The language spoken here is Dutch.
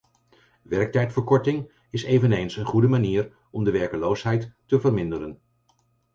Werktijdverkorting is eveneens een goede manier om de werkloosheid te verminderen.